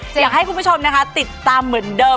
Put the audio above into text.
อยากให้คุณผู้ชมนะคะติดตามเหมือนเดิม